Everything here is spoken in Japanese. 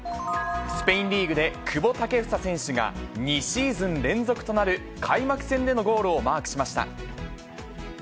スペインリーグで、久保建英選手が、２シーズン連続となる開幕戦でのゴールをマークしました。